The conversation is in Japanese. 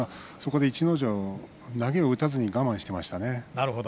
逸ノ城は投げを打たずに我慢していました。